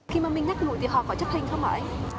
khi mà mình nhắc nhụt thì họ có chấp hành không ạ anh